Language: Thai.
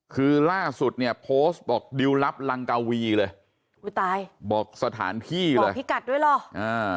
คือล่าสุดเนี่ยโพสต์บอกดิวรับลังกาวีเลยบอกสถานที่เลยบอกพิกัดด้วยหรอ